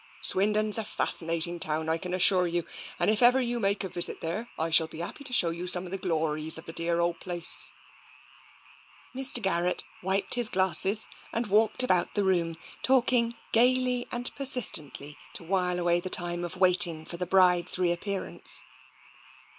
Swindon is a fascinating town, I can assure you, and if ever you make a visit there I shall be happy to show you some of the glories of the dear old place." Mr. Garrett wiped his glasses and walked about the room, talking gaily and persistently to while away the time of waiting for the bride's reappearance.